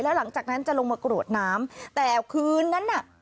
แล้วหลังจากนั้นจะลงมากรวดน้ำแต่คืนนั้นน่ะ